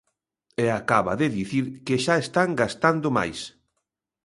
E acaba de dicir que xa están gastando máis.